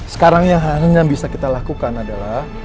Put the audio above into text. sekarang yang bisa kita lakukan adalah